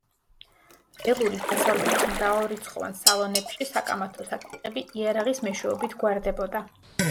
ველური დასავლეთის მრავალრიცხოვან სალონებში საკამათო საკითხები იარაღის მეშვეობით გვარდებოდა.